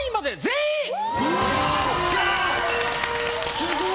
すごい。